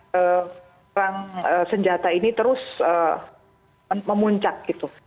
karena orang senjata ini terus memuncak gitu